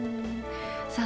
さあ